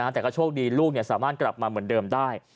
แต่ก็โชคดีลูกสามารถกลับมาเหมือนเดิมได้